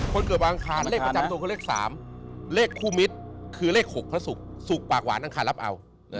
คนเกิดวันอังคารเลขประจำตัวคือเลข๓เลขคู่มิตรคือเลข๖พระศุกร์สุขปากหวานอังคารรับเอา